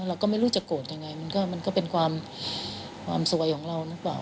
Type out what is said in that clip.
เราก็ไม่รู้จะโกรธยังไงมันก็เป็นความสวยของเราหรือเปล่า